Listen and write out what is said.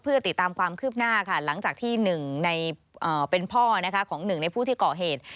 เพื่อติดตามความคืบหน้าหลังจากที่๑เป็นพ่อของ๑ในผู้ที่ก่อเหตุ